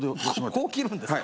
こう着るんですか？